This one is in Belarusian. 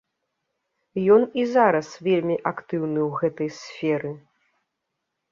Ён і зараз вельмі актыўны ў гэтай сферы.